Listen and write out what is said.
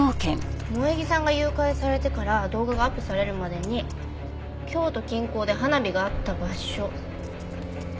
萌衣さんが誘拐されてから動画がアップされるまでに京都近郊で花火があった場所。